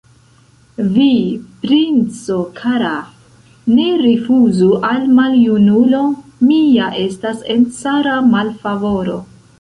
Vi, princo kara, ne rifuzu al maljunulo, mi ja estas en cara malfavoro!